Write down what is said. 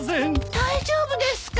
大丈夫ですか？